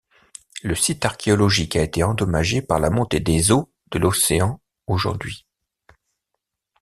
Le site archéologique a été endommagé par la montée des eaux de l'océan aujourd'hui.